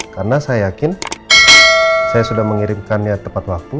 karena saya yakin saya sudah mengirimkannya tepat waktu